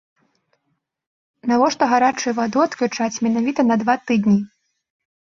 Навошта гарачую ваду адключаць менавіта на два тыдні?